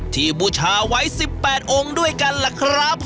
ที่บูชาไหว้๑๘องค์ด้วยกันแหละครับ